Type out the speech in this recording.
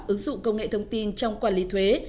ứng dụng công nghệ thông tin trong quản lý thuế